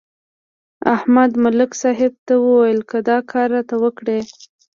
احمد ملک صاحب ته ویل: که دا کار راته وکړې.